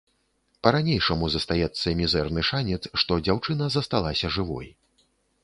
Па-ранейшаму застаецца мізэрны шанец, што дзяўчына засталася жывой.